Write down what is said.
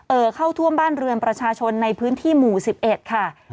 เข้าท่วมบ้านเรือนประชาชนในพื้นที่หมู่๑๑ค่ะ